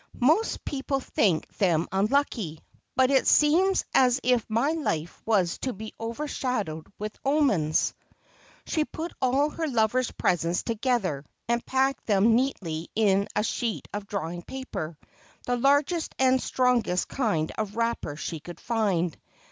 'Most people think them unlucky ; but it seems as if my life was to be overshadowed with omens.' She put all her lover's presents together, and packed them neatly in a sheet of drawing paper, the largest and strongest kind of wrapper she could find.